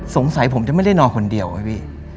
สงสัยผมจะไม่ได้นอนคนเดียวไหมพี่